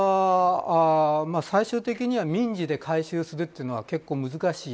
私は、最終的には民事で回収するのは結構難しい。